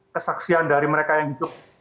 kesaksian dari mereka yang hidup